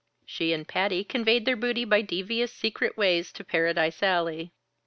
She and Patty conveyed their booty by devious secret ways to Paradise Alley.